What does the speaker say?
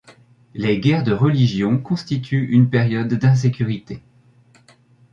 Les guerres de Religion constituent une période d'insécurité.